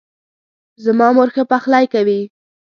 زما مور ښه پخلۍ کوي